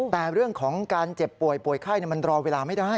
แต่เรื่องของการเจ็บป่วยป่วยไข้มันรอเวลาไม่ได้